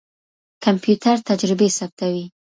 کمپيوټر تجربې ثبتوي.